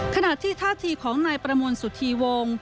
ขณะที่ท่าทีของนายประมวลสุธีวงศ์